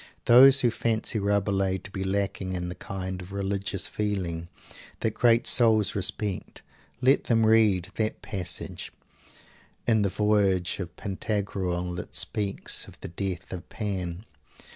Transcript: Those who fancy Rabelais to be lacking in the kind of religious feeling that great souls respect, let them read that passage in the voyage of Pantagruel that speaks of the Death of Pan.